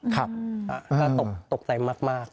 ก็ตกใจมาก